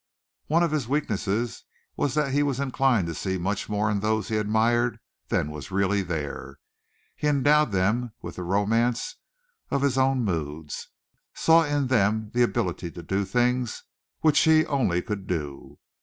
One of his weaknesses was that he was inclined to see much more in those he admired than was really there. He endowed them with the romance of his own moods saw in them the ability to do things which he only could do.